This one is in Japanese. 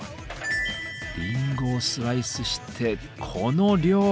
りんごをスライスしてこの量！